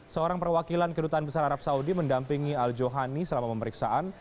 seorang perwakilan kedutaan besar arab saudi mendampingi al johani selama pemeriksaan